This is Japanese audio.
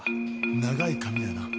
長い髪だな？